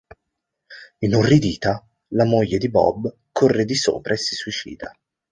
Inorridita, la moglie di Bob corre di sopra e si suicida.